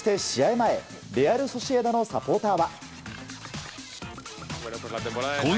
前レアル・ソシエダのサポーターは。